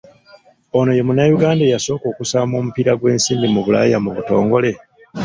Ono ye Munnayuganda eyasooka okusamba omupiira gw’ensimbi mu Bulaaya mu butongole?